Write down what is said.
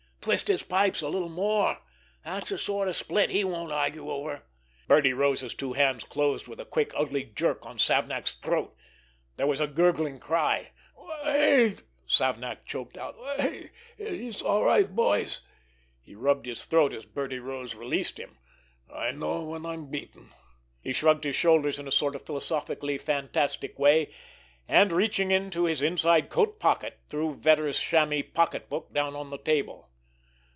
Twist his pipes a little more—that's the sort of split he won't argue over!" Birdie Rose's two hands closed with a quick, ugly jerk on Savnak's throat. There was a gurgling cry. "Wait!" Savnak choked out. "Wait! It's—it's all right, boys." He rubbed his throat, as Birdie Rose released him. "I know when I'm beaten." He shrugged his shoulders in a sort of philosophically fatalistic way, and, reaching into his inside coat pocket, threw Vetter's chamois pocketbook down on the table.